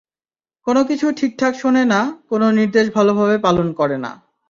কোনো কিছু ঠিকঠাক শোনে না, কোনো নির্দেশ ভালোভাবে পালন করে না।